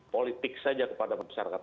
politik saja kepada masyarakat